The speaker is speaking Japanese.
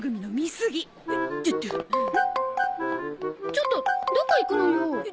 ちょっとどこ行くのよ。